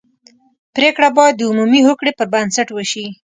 پرېکړه باید د عمومي هوکړې پر بنسټ وشي.